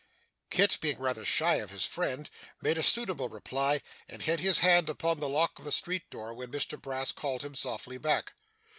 Kit, being rather shy of his friend, made a suitable reply, and had his hand upon the lock of the street door when Mr Brass called him softly back.